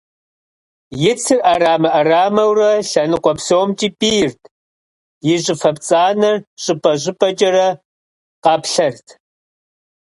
И цыр Ӏэрамэ Ӏэрамэурэ лъэныкъуэ псомкӀи пӀийрт, и щӀыфэ пцӀанэр щӀыпӀэ щӀыпӀэкӀэрэ къаплъэрт.